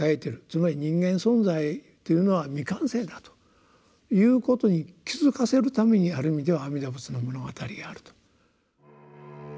つまり「人間存在というのは未完成だ」ということに気付かせるためにある意味では「阿弥陀仏の物語」があると。